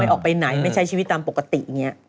ออกไปไหนไม่ใช้ชีวิตตามปกติอย่างนี้